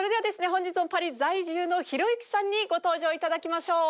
本日もパリ在住のひろゆきさんにご登場いただきましょう。